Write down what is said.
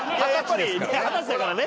二十歳ですからね。